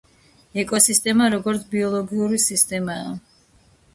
ეკოსისტემა როგორც ბიოლოგიური სისტემაა